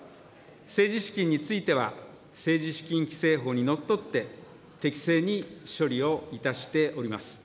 政治資金については政治資金規正法にのっとって、適正に処理をいたしております。